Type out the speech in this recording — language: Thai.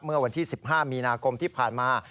เมื่อวันที่๑๕มีนาคมที่ผ่านมา